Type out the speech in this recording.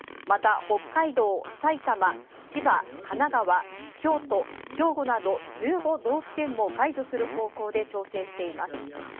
また北海道、埼玉、千葉、神奈川、京都、兵庫など１５道府県は解除する方向で調整しています。